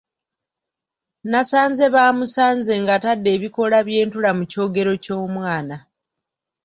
Nasanze baamusanze ng’atadde ebikoola by’entula mu kyogero ky’omwana.